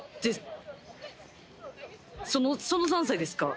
その三才ですか？